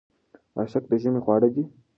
اشک د ژمي خواړه دي.